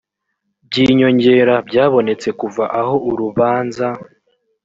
by inyongera byabonetse kuva aho urubanza